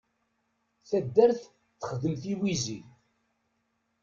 Taddart texdem tiwizi.